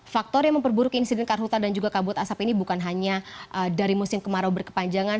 faktor yang memperburuk insiden karhutan dan juga kabut asap ini bukan hanya dari musim kemarau berkepanjangan